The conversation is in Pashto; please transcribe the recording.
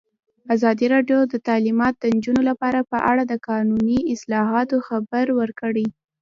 ازادي راډیو د تعلیمات د نجونو لپاره په اړه د قانوني اصلاحاتو خبر ورکړی.